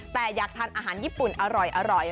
แต่อยากทานอาหารญี่ปุ่นอร่อย